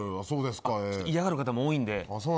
嫌がる方も多いので。